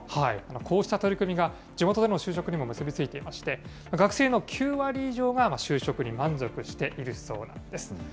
こうした取り組みが地元での就職にも結び付いていまして、学生の９割以上が就職に満足しているそうなんです。